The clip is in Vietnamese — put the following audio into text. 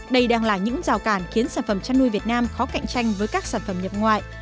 đây đang là những rào cản khiến sản phẩm chăn nuôi việt nam khó cạnh tranh với các sản phẩm nhập ngoại